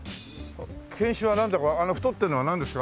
犬種はなんだかあの太ってるのはなんですか？